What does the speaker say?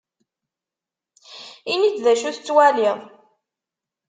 Ini-d d acu tettwaliḍ.